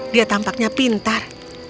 dia tampaknya pintar